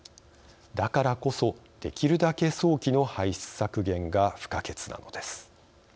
だからこそできるだけ早期の排出削減が不可欠なのです。